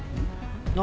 何？